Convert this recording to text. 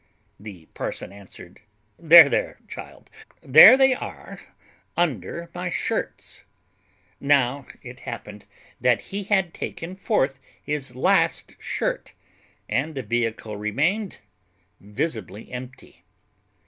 The parson answered, "There, there, child; there they are, under my shirts." Now it happened that he had taken forth his last shirt, and the vehicle remained visibly empty.